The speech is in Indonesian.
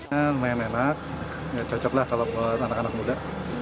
lumayan enak cocok lah kalau buat anak anak muda